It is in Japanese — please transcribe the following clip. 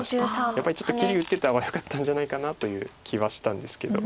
やっぱりちょっと切り打ってた方がよかったんじゃないかなという気はしたんですけど。